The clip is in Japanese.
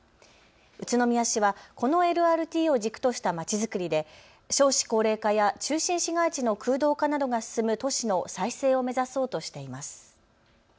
宇都宮市はこのＬＲＴを軸としたまちづくりで少子高齢化や中心市街地の空洞化などが進む都市の再生を目指そうとしています。